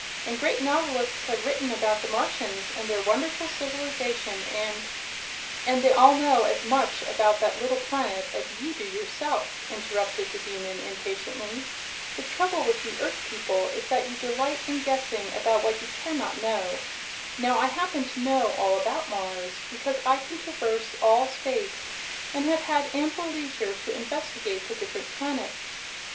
And great novelists have written about the Martians and their wonderful civilization, and " "And they all know as much about that little planet as you do yourself," interrupted the Demon, impatiently. "The trouble with you Earth people is that you delight in guessing about what you can not know. Now I happen to know all about Mars, because I can traverse all space and have had ample leisure to investigate the different planets.